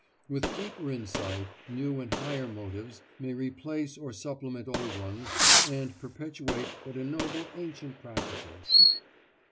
With deeper insight, new and higher motives may replace or supplement old ones, and perpetuate but ennoble ancient practices."